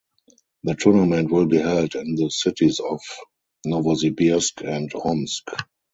The tournament will be held in the cities of Novosibirsk and Omsk.